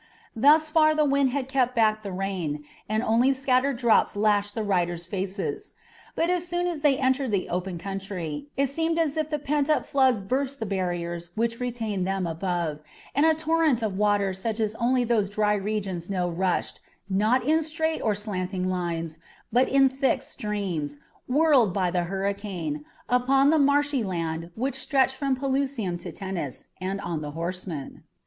Thus far the wind had kept back the rain, and only scattered drops lashed the riders' faces; but as soon as they entered the open country, it seemed as though the pent up floods burst the barriers which retained them above, and a torrent of water such as only those dry regions know rushed, not in straight or slanting lines, but in thick streams, whirled by the hurricane, upon the marshy land which stretched from Pelusium to Tennis, and on the horsemen.